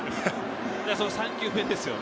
３球目ですよね。